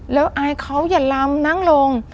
แล้วอายเขาอย่าลำนั่งลง